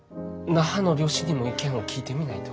那覇の両親にも意見を聞いてみないと。